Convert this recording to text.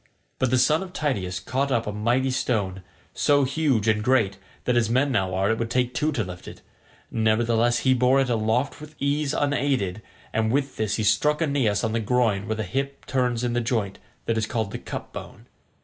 But the son of Tydeus caught up a mighty stone, so huge and great that as men now are it would take two to lift it; nevertheless he bore it aloft with ease unaided, and with this he struck Aeneas on the groin where the hip turns in the joint that is called the "cup bone."